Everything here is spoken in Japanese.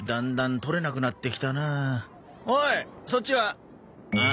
おいそっちは？えっ？